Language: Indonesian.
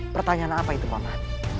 pertanyaan apa itu paman